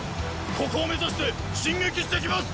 ここを目指して進撃して来ます！